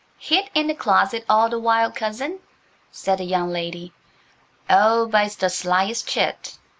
Hid in the closet all the while, cousin?" said the young lady. "Oh, but it's the slyest chit!